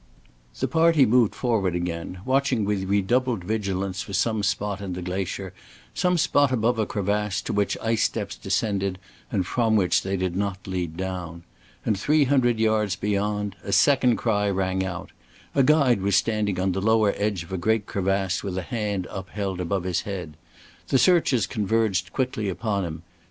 The party moved forward again, watching with redoubled vigilance for some spot in the glacier, some spot above a crevasse, to which ice steps descended and from which they did not lead down. And three hundred yards beyond a second cry rang out. A guide was standing on the lower edge of a great crevasse with a hand upheld above his head. The searchers converged quickly upon him.